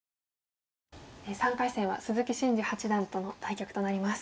３回戦は鈴木伸二八段との対局となります。